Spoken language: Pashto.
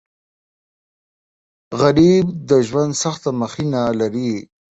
غریب د ژوند سخته مخینه لري